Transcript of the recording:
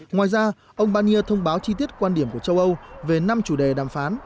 ngoài ra ông barnier thông báo chi tiết quan điểm của châu âu về năm chủ đề đàm phán